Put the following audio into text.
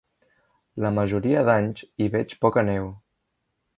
La majoria d'anys hi veig poca neu.